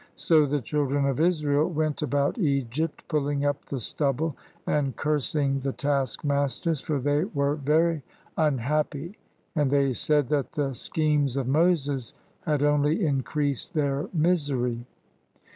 So the children of Israel went about Egypt pulling up the stubble and cursing the taskmasters, for they were very unhappy, and they said that the schemes of Moses had only increased their misery.